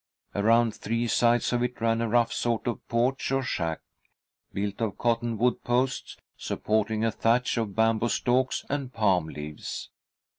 Around three sides of it ran a rough sort of porch or shack, built of cottonwood posts, supporting a thatch of bamboo stalks and palm leaves.